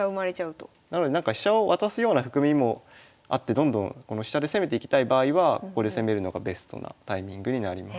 なのでなんか飛車を渡すような含みもあってどんどんこの飛車で攻めていきたい場合はここで攻めるのがベストなタイミングになります。